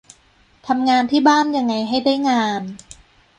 ทำงานที่บ้านยังไงให้ได้งาน